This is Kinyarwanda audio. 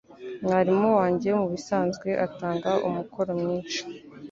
Mwarimu wanjye mubisanzwe atanga umukoro mwinshi.